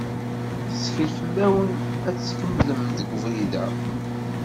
Tettkel fell-awen ad tkemlem deg ubrid-a.